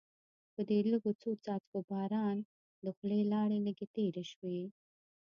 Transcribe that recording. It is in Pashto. په دې لږو څو څاڅکو باران د خولې لاړې لږې تېرې شوې.